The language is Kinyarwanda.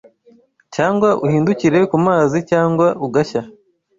Cyangwa uhindukire kumazi Cyangwa ugashya